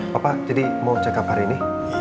bapak jadi mau check up hari ini